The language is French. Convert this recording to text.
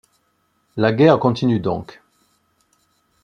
La guerre continue donc.